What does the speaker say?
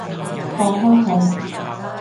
放開佢！